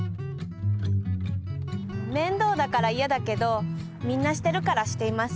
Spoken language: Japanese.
めんどうだからいやだけどみんなしてるからしています。